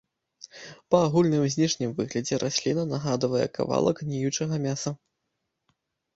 Па агульным знешнім выглядзе расліна нагадвае кавалак гніючага мяса.